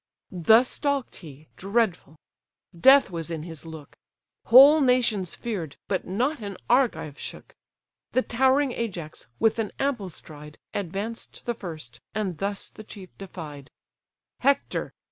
Thus stalk'd he, dreadful; death was in his look: Whole nations fear'd; but not an Argive shook. The towering Ajax, with an ample stride, Advanced the first, and thus the chief defied: "Hector!